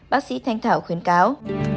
bác sĩ thanh thảo khuyến cáo